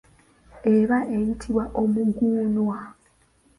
Eba eyitibwa omuguunwa.